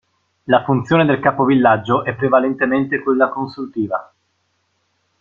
La funzione del capovillaggio è prevalentemente quella consultiva.